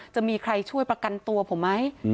จะมีใครช่วยประกันตัวผมไหม